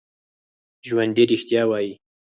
ژوندي رښتیا وايي